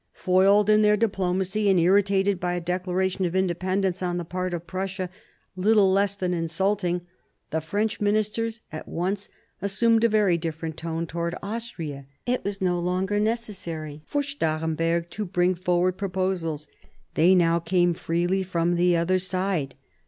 Foiled in their diplomacy, and irritated by a declaration of independence on the part of Prussia little less than insulting, the French ministers at once assumed a very different tone towards Austria. It was no longer necessary for Stahremberg to bring forward proposals, they now came freely from the other side.